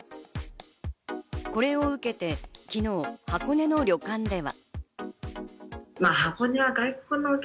これを受けて昨日、箱根の旅館では。